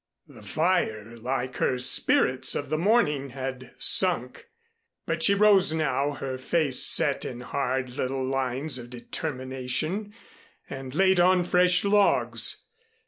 The fire, like her spirits of the morning, had sunk. But she rose now, her face set in hard little lines of determination, and laid on fresh logs.